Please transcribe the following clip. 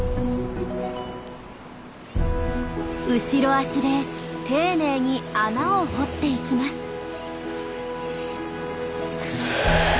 後ろ足で丁寧に穴を掘っていきます。